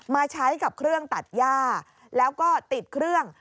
มาใช้กับเครื่องตัดย่าแล้วก็ติดเครื่อง